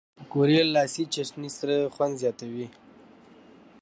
پکورې له لاسي چټني سره خوند زیاتوي